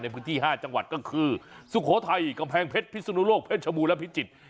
พื้นที่๕จังหวัดก็คือสุโขทัยกำแพงเพชรพิสุนุโลกเพชรชบูรณและพิจิตร